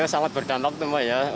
sangat berdantak tuh pak ya